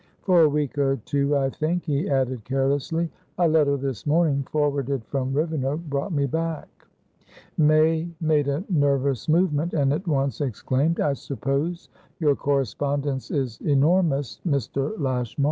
"For a week or two, I think." He added, carelessly, "A letter this morning, forwarded from Rivenoak, brought me back." May made a nervous movement, and at once exclaimed: "I suppose your correspondence is enormous, Mr. Lashmar?"